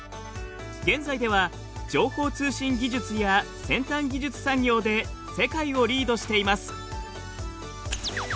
現在では情報通信技術や先端技術産業で世界をリードしています。